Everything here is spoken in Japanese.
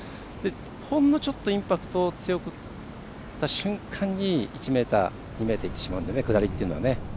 ほんのちょっとインパクトを強く打った瞬間に１ｍ、２ｍいってしまうので、下りは。